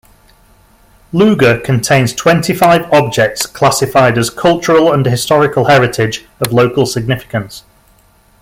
Luga contains twenty-five objects classified as cultural and historical heritage of local significance.